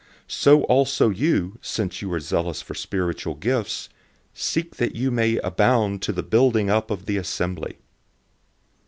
014:012 So also you, since you are zealous for spiritual gifts, seek that you may abound to the building up of the assembly.